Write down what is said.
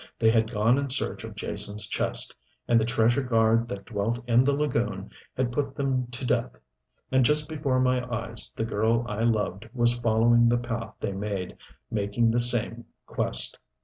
They had gone in search of Jason's chest and the treasure guard that dwelt in the lagoon had put them to death. And just before my eyes the girl I loved was following the path they made, making the same quest.